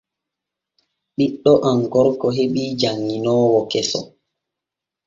Ɓiɗɗo am gorko heɓi janŋinoowo keso.